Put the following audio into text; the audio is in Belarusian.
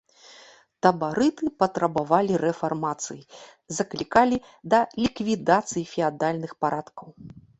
Табарыты патрабавалі рэфармацыі, заклікалі да ліквідацыі феадальных парадкаў.